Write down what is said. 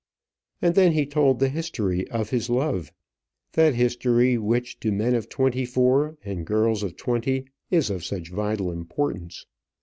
And then he told the history of his love; that history which to men of twenty four and girls of twenty is of such vital importance.